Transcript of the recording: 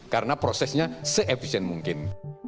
karena prosesnya se efisien mungkin